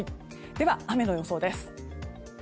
では、雨の予想です。